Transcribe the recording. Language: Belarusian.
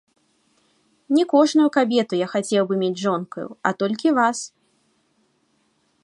Не кожную кабету я хацеў бы мець жонкаю, а толькі вас.